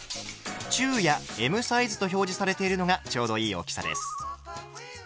「中」や「Ｍサイズ」と表示されているのがちょうどいい大きさです。